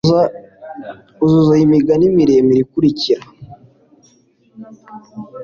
uzuza iyi migani miremire ikurikira